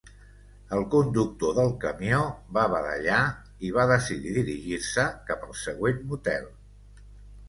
El conductor del camió va badallar i va decidir dirigir-se cap al següent motel.